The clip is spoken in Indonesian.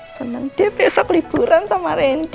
seneng deh besok liburan sama randy